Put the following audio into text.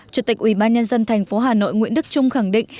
chủ tịch ủy ban nhân dân thành phố hà nội nguyễn đức trung khẳng định